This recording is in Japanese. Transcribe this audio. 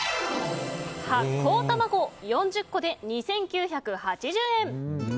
はっこう卵、４０個で２９８０円。